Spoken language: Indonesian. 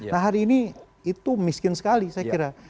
nah hari ini itu miskin sekali saya kira